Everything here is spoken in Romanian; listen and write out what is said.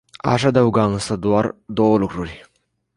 Aș adăuga însă doar două lucruri.